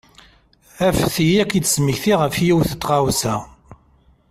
Anfet-iyi ad k-id-smektiɣ ɣef yiwet n tɣawsa.